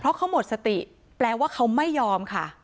เพราะเขาหมดสติแปลว่าเขาไม่ยอมค่ะ